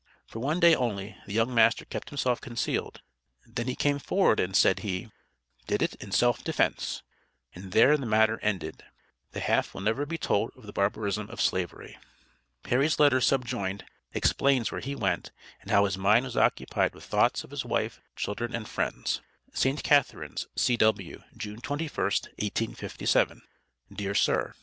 For one day only the young master kept himself concealed, then he came forward and said he "did it in self defense," and there the matter ended. The half will never be told of the barbarism of Slavery. Perry's letter subjoined, explains where he went, and how his mind was occupied with thoughts of his wife, children and friends. ST. CATHARINES, C.W. June 21, 1857. DEAR SIR.